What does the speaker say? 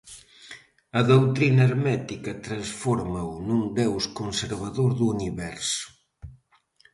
A doutrina hermética transfórmao nun deus conservador do Universo.